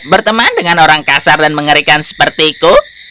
berteman dengan orang kasar dan mengerikan sepertiku